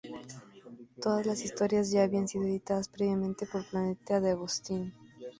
Todas las historias ya habían sido editadas previamente por Planeta DeAgostini.